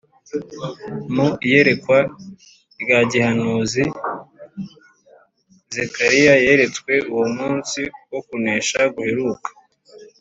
mu iyerekwa rya gihanuzi, zekariya yeretswe uwo munsi wo kunesha guheruka;